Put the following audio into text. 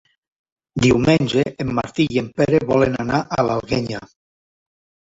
Diumenge en Martí i en Pere volen anar a l'Alguenya.